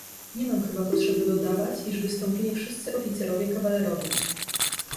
"Nie mam chyba potrzeby dodawać, iż wystąpili wszyscy oficerowie kawalerowie."